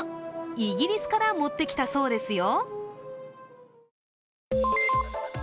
イギリスから持ってきたそうですよ。